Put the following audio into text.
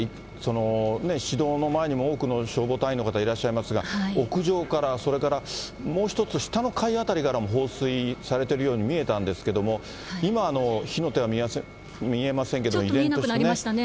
市道にも多くの消防隊員の方がいらっしゃいますが、屋上から、それからもう一つ、下の階辺りからも放水されてるように見えたんですけれども、今、ちょっと見えなくなりましたね。